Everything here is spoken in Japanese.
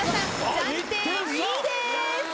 暫定２位です。